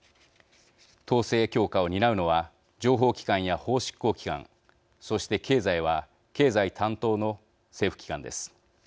統制強化を担うのは情報機関や法執行機関そして、経済は経済担当の政府機関です。